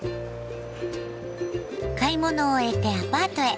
買い物を終えてアパートへ。